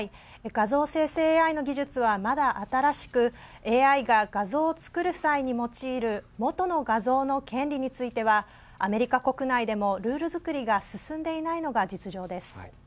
画像生成ＡＩの技術はまだ新しくＡＩが画像を作る際に用いる元の画像の権利についてはアメリカ国内でもルールづくりが進んでいないのが実情です。